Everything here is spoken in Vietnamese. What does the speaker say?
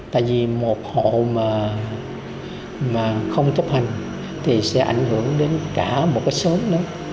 tại vì một hộ mà không chấp hành thì sẽ ảnh hưởng đến cả một cái xóm nữa